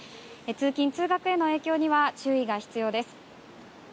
通勤・通学への影響には注意が必要です。